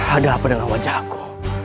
ada apa dalam wajahku